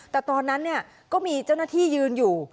แต่ตอนนั้นก็มีเจ้าหน้าที่ยืนอยู่